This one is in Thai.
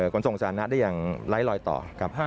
ขนส่งสาธารณะได้อย่างไร้รอยต่อกับ๕